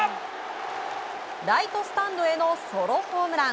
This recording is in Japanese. ライトスタンドへのソロホームラン。